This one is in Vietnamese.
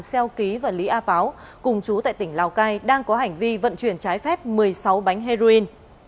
xeo ký và lý a páo cùng chú tại tỉnh lào cai đang có hành vi vận chuyển trái phép một mươi sáu bánh heroin